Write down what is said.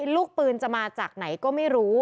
ลูกปืนจะมาจากไหนก็ไม่รู้